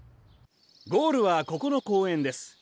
ゴールはここの公園です。